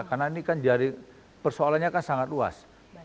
karena ini kan persoalannya kan sangat luas